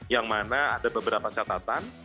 yang mana ada beberapa catatan